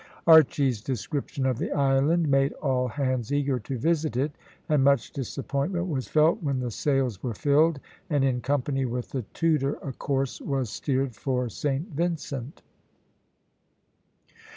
Archy's description of the island made all hands eager to visit it, and much disappointment was felt when the sails were filled, and, in company with the Tudor, a course was steered for Saint Vincent.